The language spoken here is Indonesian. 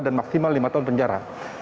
dan maksimal lima tahun penjara